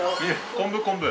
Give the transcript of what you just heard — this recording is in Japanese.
昆布昆布。